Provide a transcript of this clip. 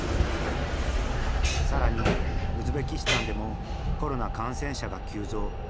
更にウズベキスタンでもコロナ感染者が急増。